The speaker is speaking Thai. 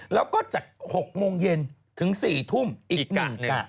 แล้วก็จาก๖โมงเย็นถึง๔ทุ่มอีกกะ